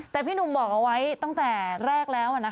แต่พี่หนุ่มบอกเอาไว้ตั้งแต่แรกแล้ว